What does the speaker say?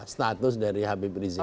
status dari habib rizik